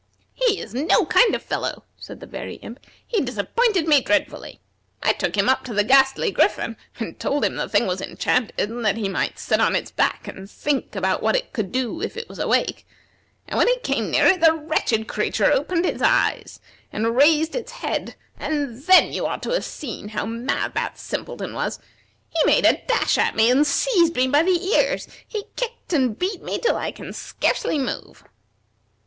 "He is no kind of a fellow," said the Very Imp. "He disappointed me dreadfully. I took him up to the Ghastly Griffin, and told him the thing was enchanted, and that he might sit on its back and think about what it could do if it was awake; and when he came near it the wretched creature opened its eyes, and raised its head, and then you ought to have seen how mad that simpleton was. He made a dash at me and seized me by the ears; he kicked and beat me till I can scarcely move."